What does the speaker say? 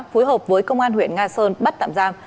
phối hợp với công an huyện nga sơn bắt tạm giam